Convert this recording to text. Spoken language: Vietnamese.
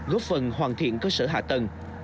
góp phần hoàn thiện cơ sở hạ tầng